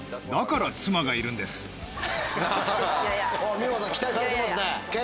美保さん期待されてますね。